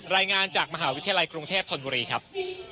รายงานจากมหาวิทยาลัยกรุงเทพธนบุรีครับ